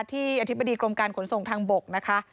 ที่อธิบดีกรมการขนส่งทางบกนะคะ